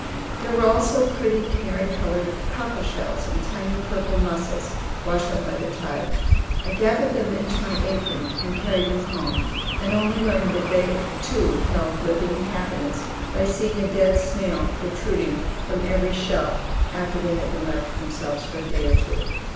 There were also pretty canary colored cockle shells and tiny purple mussels washed up by the tide. I gathered them into my apron, and carried them home, and only learned that they too held living inhabitants by seeing a dead snail protruding from every shell after they had been left to themselves for a day or two.